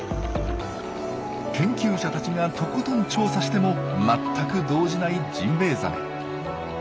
研究者たちがとことん調査しても全く動じないジンベエザメ。